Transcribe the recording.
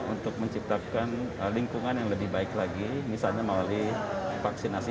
untuk menciptakan lingkungan yang lebih baik lagi misalnya melalui vaksinasi